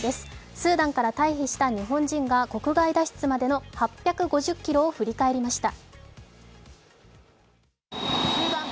スーダンから退避した日本人が国外脱出までの８５０ｋｍを振り返りました。